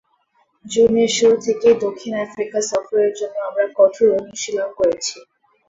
জুনের শুরু থেকেই দক্ষিণ আফ্রিকা সফরের জন্য আমরা কঠোর অনুশীলন করেছি।